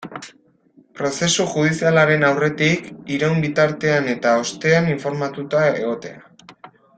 Prozesu judizialaren aurretik, iraun bitartean eta ostean informatuta egotea.